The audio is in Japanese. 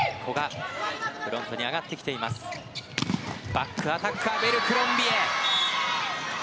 バックアタックアベルクロンビエ！